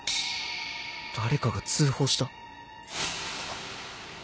誰かが通報した？